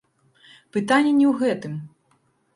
Пытанне не ў гэтым.